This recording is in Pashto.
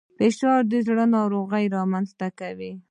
فشار د زړه ناروغۍ رامنځته کوي